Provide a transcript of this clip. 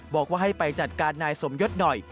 บอกว่าให้ไปจัดการนายสมยศหน่อย